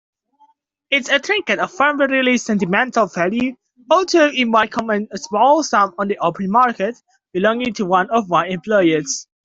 It's a trinket of primarily sentimental value, although it might command a small sum on the open market, belonging to one of my employers.